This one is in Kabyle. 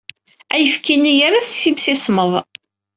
Ayefki-nni yerra-t s imsismeḍ.